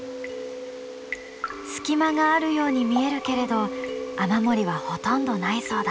隙間があるように見えるけれど雨漏りはほとんどないそうだ。